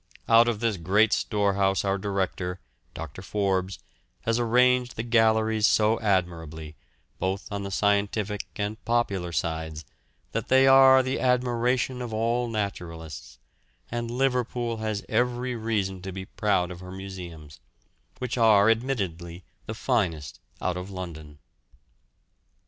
Out of this great storehouse our director, Doctor Forbes, has arranged the galleries so admirably, both on the scientific and popular sides, that they are the admiration of all naturalists, and Liverpool has every reason to be proud of her museums, which are admittedly the finest out of London.